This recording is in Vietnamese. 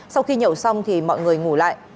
sau khi nhậu xong thì mọi người ngủ lại